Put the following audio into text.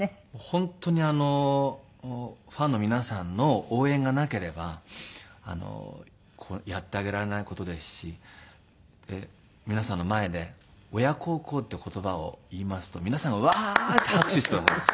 本当にファンの皆さんの応援がなければやってあげられない事ですし皆さんの前で「親孝行」っていう言葉を言いますと皆さんが「わあー！」って拍手してくださるんです。